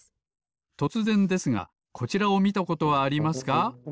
とつぜんですがこちらをみたことはありますか？